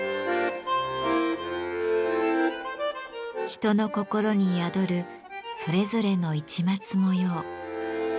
人の心に宿るそれぞれの市松模様。